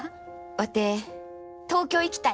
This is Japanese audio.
ワテ東京行きたい。